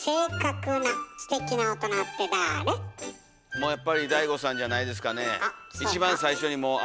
もうやっぱりＤＡＩＧＯさんじゃないですかね。